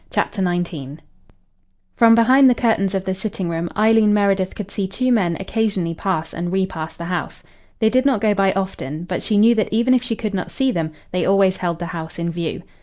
CHAPTER XIX From behind the curtains of the sitting room Eileen Meredith could see two men occasionally pass and re pass the house. They did not go by often, but she knew that even if she could not see them they always held the house in view.